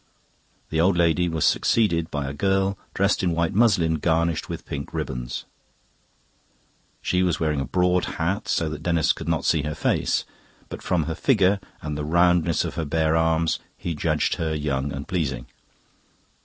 The old lady was succeeded by a girl dressed in white muslin, garnished with pink ribbons. She was wearing a broad hat, so that Denis could not see her face; but from her figure and the roundness of her bare arms he judged her young and pleasing.